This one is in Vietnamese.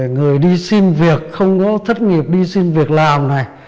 người đi xin việc không có thất nghiệp đi xin việc làm này